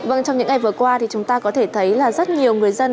vâng trong những ngày vừa qua thì chúng ta có thể thấy là rất nhiều người dân